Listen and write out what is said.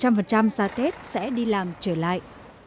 cảm ơn các bạn đã theo dõi và hẹn gặp lại